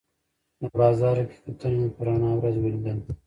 د بازار حقیقتونه مې په رڼا ورځ ولیدل.